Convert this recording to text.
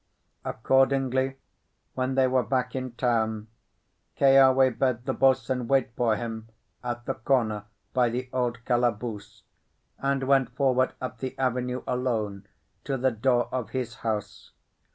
Accordingly, when they were back in town, Keawe bade the boatswain wait for him at the corner, by the old calaboose, and went forward up the avenue alone to the door of his house.